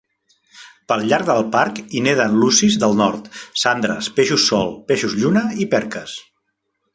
Pel llac del parc hi neden lucis del nord, sandres, peixos sol, peixos lluna i perques.